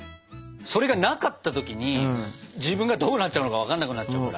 それがなかった時に自分がどうなっちゃうのか分かんなくなっちゃうから。